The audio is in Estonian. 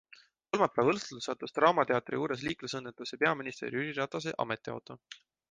Kolmapäeva õhtul sattus Draamateatri juures liiklusõnnetusse peaminister Jüri Ratase ametiauto.